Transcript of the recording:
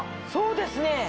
そうですね。